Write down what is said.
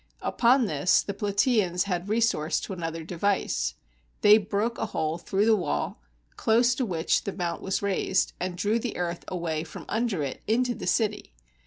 Upon this, the Plataeans had resource to another device. They broke a hole through the wall, close to which the mount was raised, and drew the earth away from under it into the city.